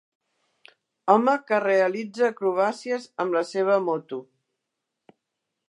Home que realitza acrobàcies amb la seva moto.